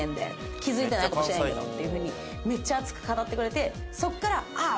気付いてないかもしれんけど」っていう風にめっちゃ熱く語ってくれてそこからああ